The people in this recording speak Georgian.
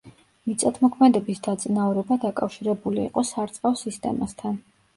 მიწათმოქმედების დაწინაურება დაკავშირებული იყო სარწყავ სისტემასთან.